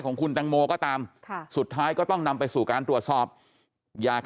ของคุณตังโมก็ตามสุดท้ายก็ต้องนำไปสู่การตรวจสอบอยาก